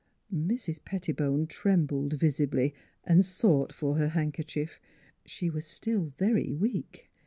Mrs. Pettibone trembled visibly and sought for her handkerchief. She was still very weak.